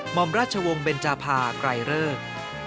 หมอมราชวงศ์เบนจาภาไกลเริ่ม